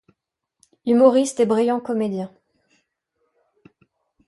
Humoriste et brillant comédien.